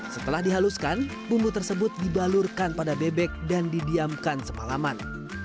setelah dihaluskan bumbu tersebut dibalurkan pada bebek dan didiamkan semalaman